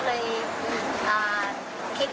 ก็เลยคิดขึ้นมาว่าอะไรที่มันเป็นถืดไข่